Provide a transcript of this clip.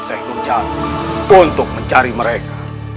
seh nung jatuh untuk mencari mereka